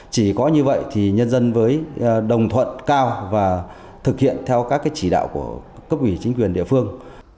chỉ có như vậy thì nhân dân với đồng thuận cao và thực hiện theo các chỉ đạo của cấp ủy chính quyền địa phương